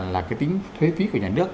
là cái tính thuế phí của nhà nước